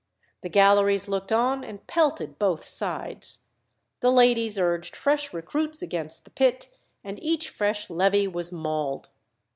The galleries looked on and pelted both sides. The ladies urged fresh recruits against the pit, and each fresh levy was mauled.